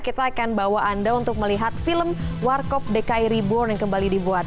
kita akan bawa anda untuk melihat film warkop dki reborn yang kembali dibuat